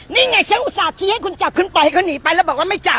นี่ไงฉันอุตส่าห์ที่ให้คุณจับคุณปล่อยให้เขาหนีไปแล้วบอกว่าไม่จับ